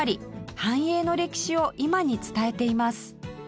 繁栄の歴史を今に伝えています